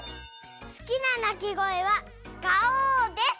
すきななきごえは「ガオー」です